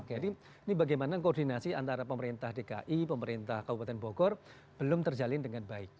jadi ini bagaimana koordinasi antara pemerintah dki pemerintah kabupaten bogor belum terjalin dengan baik